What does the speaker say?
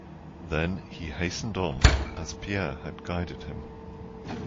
Then he hastened on, as Pierre had guided him.